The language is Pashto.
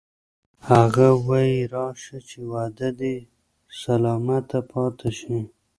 هغه وایی راشه چې وعده دې سلامته پاتې شي